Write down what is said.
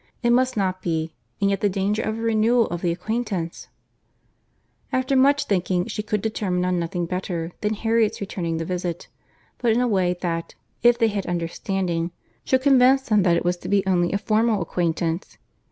It must not be: and yet the danger of a renewal of the acquaintance—! After much thinking, she could determine on nothing better, than Harriet's returning the visit; but in a way that, if they had understanding, should convince them that it was to be only a formal acquaintance.